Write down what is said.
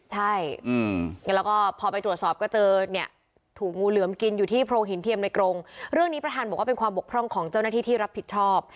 ใช่แล้วก็พอไปตรวจสอบก็เจอเนี่ยถูกงูเหลือมกินอยู่ที่โพรงหินเทียมในกรงเรื่องนี้ประธานบอกว่าเป็นความบกพร่องของเจ้าหน้าที่ที่รับผิดชอบ